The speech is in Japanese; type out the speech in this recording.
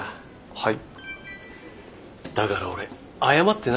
はい。